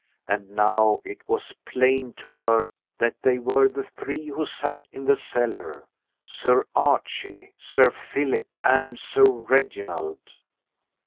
And now it was plain to her that they were the three who sat in the cellar Sir Archie, Sir Philip, and Sir Reginald.